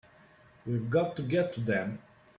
We've got to get to them!